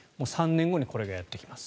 ３年後にこれがやってきます。